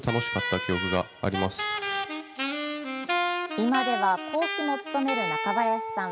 今では、講師も務める中林さん。